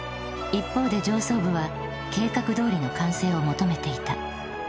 一方で上層部は計画どおりの完成を求めていた。